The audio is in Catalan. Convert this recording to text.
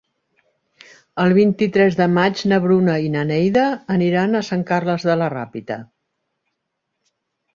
El vint-i-tres de maig na Bruna i na Neida aniran a Sant Carles de la Ràpita.